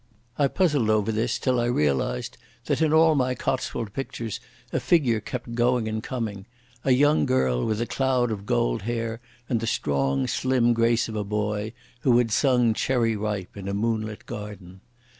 I puzzled over this till I realised that in all my Cotswold pictures a figure kept going and coming—a young girl with a cloud of gold hair and the strong, slim grace of a boy, who had sung "Cherry Ripe" in a moonlit garden.